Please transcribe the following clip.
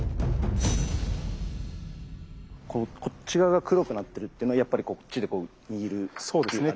こっち側が黒くなってるっていうのはやっぱりこっちでこう握るっていう感じですね？